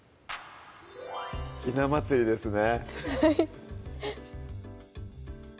ひな祭りですね